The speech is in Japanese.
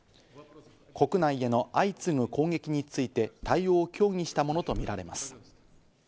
国内への相次ぐ攻撃について対応を協議したものとみられます。